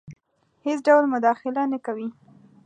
هیڅ ډول مداخله نه کوي.